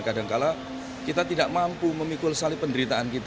kadangkala kita tidak mampu memikul salib penderitaan kita